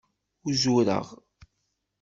Uzureɣ.